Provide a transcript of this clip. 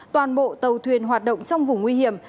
toàn bộ tàu thuyền hoạt động trong vùng nguy hiểm